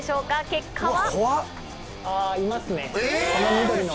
結果は。